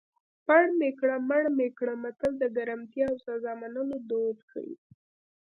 پړ مې کړه مړ مې کړه متل د ګرمتیا او سزا منلو دود ښيي